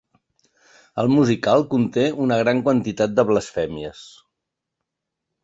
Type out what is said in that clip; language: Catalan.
El musical conté una gran quantitat de blasfèmies.